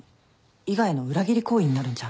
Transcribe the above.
伊賀への裏切り行為になるんじゃ。